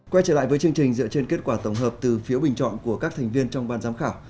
quay trở lại với chương trình dựa trên kết quả tổng hợp từ phiếu bình chọn của các thành viên trong ban giám khảo